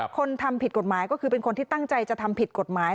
คนทำผิดกฎหมายก็คือเป็นคนที่ตั้งใจจะทำผิดกฎหมาย